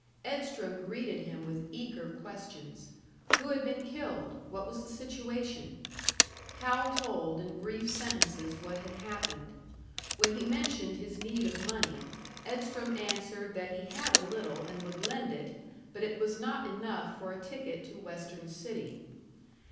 Edstrom greeted him with eager questions: Who had been killed? What was the situation? Hal told in brief sentences what had happened. When he mentioned his need of money, Edstrom answered that he had a little, and would lend it, but it was not enough for a ticket to Western City.